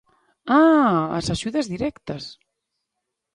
¡Ah!, as axudas directas.